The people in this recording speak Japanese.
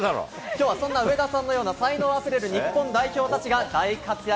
きょうはそんな上田さんのような才能あふれる日本代表たちが大活躍。